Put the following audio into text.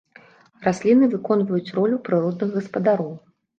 Расліны выконваюць ролю прыродных гаспадароў.